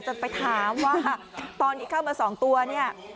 จะไปถามว่าตอนที่เข้ามา๒ตัวเนี่ย